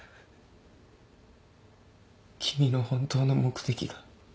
君の本当の目的が。